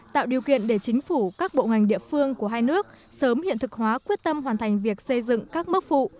tạo điều kiện để chính phủ các bộ ngành địa phương của hai nước sớm hiện thực hóa quyết tâm hoàn thành việc xây dựng các mức phụ